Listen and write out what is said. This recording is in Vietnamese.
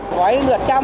gói ngược trong